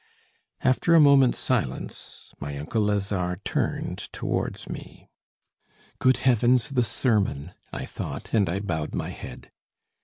After a moment's silence, my uncle Lazare turned towards me. "Good heavens, the sermon!" I thought, and I bowed my head.